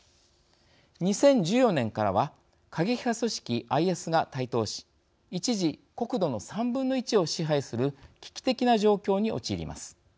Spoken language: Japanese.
２０１４年からは過激派組織ＩＳが台頭し一時、国土の３分の１を支配する危機的な状況に陥ります。